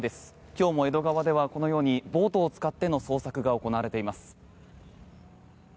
今日も江戸川では、このようにボートを使っての捜索が行われています。